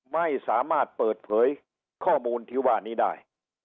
ไม่สามารถเปิดเผยข้อมูลที่ว่านี้ได้